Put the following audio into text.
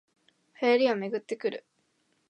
流行りはめぐってくる